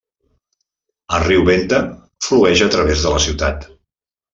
El riu Venta flueix a través de la ciutat.